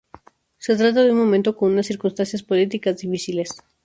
Se trata de un momento con unas circunstancias políticas difíciles.